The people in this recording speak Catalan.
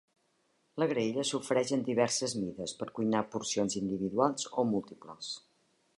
La graella s'ofereix en diverses mides per cuinar porcions individuals o múltiples.